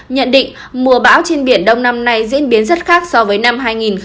nhận định mùa bão trên biển đông năm nay diễn biến rất khác so với năm hai nghìn một mươi tám